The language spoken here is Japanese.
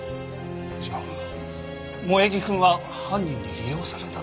じゃあ萌衣くんは犯人に利用されただけ？